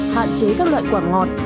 hạn chế các loại quả ngọt